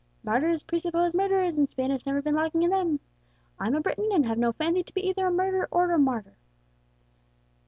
Martyrs presuppose murderers, and Spain has never been lacking in them. I'm a Briton, and have no fancy to be either murderer or martyr.